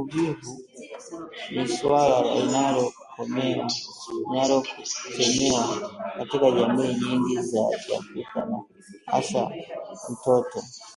Uvivu ni suala linalokemewa katika jamii nyingi za kiafrika na hasa mtoto